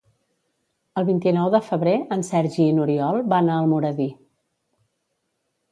El vint-i-nou de febrer en Sergi i n'Oriol van a Almoradí.